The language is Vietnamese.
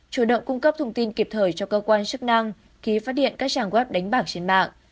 chủ động cung cấp thông tin kịp thời cho cơ quan chức năng khi phát điện các trang web đánh bạc trên mạng